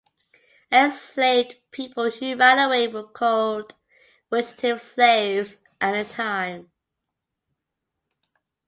Enslaved people who ran away were called "fugitive slaves" at the time.